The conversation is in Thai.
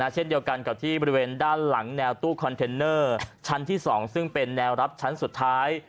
เช่นเดียวกันกับที่บริเวณด้านหลังแนวตู้คอนเทนเนอร์ชั้นที่๒ซึ่งเป็นแนวรับชั้นสุดท้าย